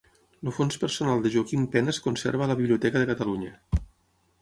El fons personal de Joaquim Pena es conserva a la Biblioteca de Catalunya.